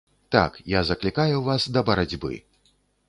Так, я заклікаю вас да барацьбы.